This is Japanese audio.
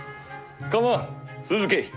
構わん続けい。